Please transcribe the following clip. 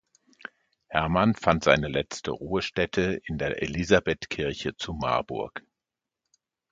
Hermann fand seine letzte Ruhestätte in der Elisabethkirche zu Marburg.